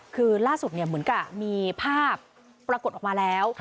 คือล่าสุดเหมือนกับมีภาพปรากฏออกมาแล้ว